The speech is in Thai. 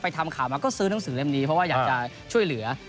ทำข่าวมาก็ซื้อหนังสือเล่มนี้เพราะว่าอยากจะช่วยเหลือ